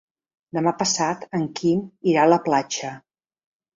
Demà passat en Quim irà a la platja.